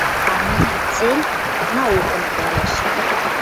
А мӹньӹн цель — наукым пӓлӓш.